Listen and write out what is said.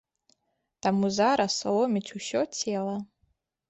Таму зараз ломіць усё цела.